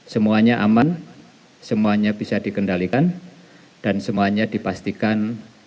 semuanya aman semuanya bisa dikendalikan dan semuanya dipastikan